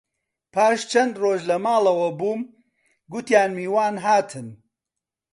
پاش چەند ڕۆژ لە ماڵەوە بووم، گوتیان میوان هاتن